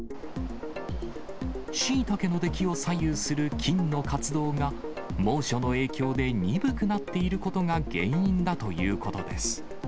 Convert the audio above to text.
しいたけの出来を左右する菌の活動が、猛暑の影響で鈍くなっていることが原因だということです。